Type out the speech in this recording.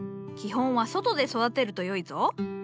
基本は外で育てるとよいぞ。